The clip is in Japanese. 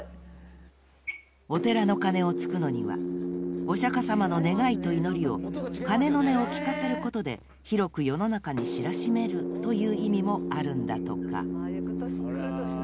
［お寺の鐘を突くのにはお釈迦様の願いと祈りを鐘の音を聞かせることで広く世の中に知らしめるという意味もあるんだとか］